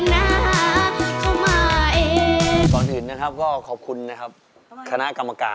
ไม่อยากให้เธอทุกข์ใจมากไปกว่านี้